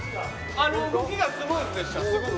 動きがスムーズでしたすごく。